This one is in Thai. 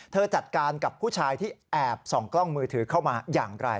จัดการกับผู้ชายที่แอบส่องกล้องมือถือเข้ามาอย่างไร